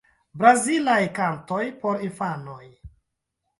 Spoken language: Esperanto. Brazilaj kantoj por infanoj.